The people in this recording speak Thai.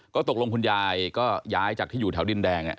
ก็ตกลงคุณยายก็ย้ายจากที่อยู่แถวดินแดง